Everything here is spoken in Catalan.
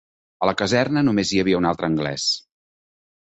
A la caserna només hi havia un altre anglès